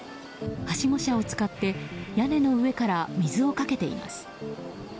はしご車を使って屋根の上から水をかけています。